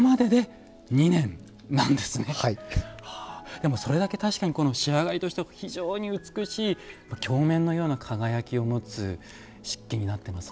でもそれだけ確かに仕上がりとしては非常に美しい鏡面のような輝きを持つ漆器になってますね。